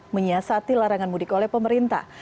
menyiasati larangan mudik oleh pemerintah